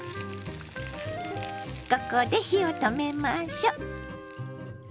ここで火を止めましょ。